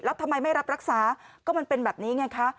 แล้วทำไมไม่รับรักษาก็มันเป็นแบบนี้ไงคะ